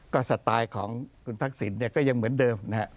ก็สไตล์ของทรักษิณก็ยังเหมือนเดิม